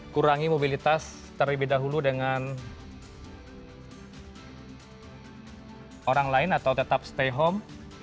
kurangi mobilitas terlebih dahulu dengan orang lain atau tetap stay home